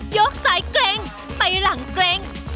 ยกสายเกร็งไปหลังเกร็ง